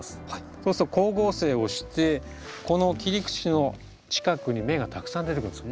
そうすると光合成をしてこの切り口の近くに芽がたくさん出てくるんです。